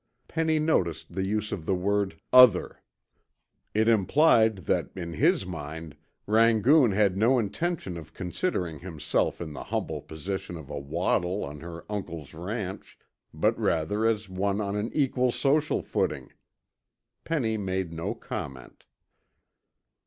Penny noticed the use of the word "other." It implied that in his mind Rangoon had no intention of considering himself in the humble position of a waddie on her uncle's ranch, but rather as one on an equal social footing. Penny made no comment.